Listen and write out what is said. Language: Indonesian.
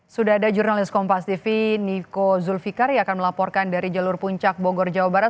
sudah ada jurnalis kompas tv niko zulfikar yang akan melaporkan dari jalur puncak bogor jawa barat